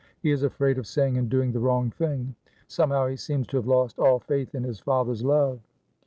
He is afraid of saying and doing the wrong thing; somehow he seems to have lost all faith in his father's love."